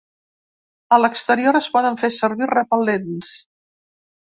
A l’exterior es poden fer servir repel·lents.